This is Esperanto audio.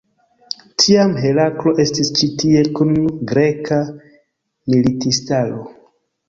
Tiam Heraklo estis ĉi tie kun greka militistaro.